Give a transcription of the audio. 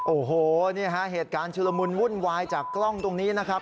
โอ้โหนี่ฮะเหตุการณ์ชุลมุนวุ่นวายจากกล้องตรงนี้นะครับ